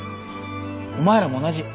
お前らも同じ。